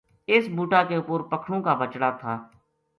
اس بوٹا کے اپر پکھنو کا بچڑا تھا